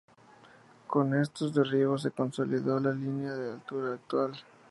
Con estos derribos se consolidó la linea de altura actual.